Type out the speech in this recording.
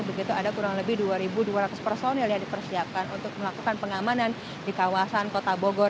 begitu ada kurang lebih dua dua ratus personil yang dipersiapkan untuk melakukan pengamanan di kawasan kota bogor